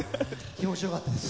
気持ち良かったです。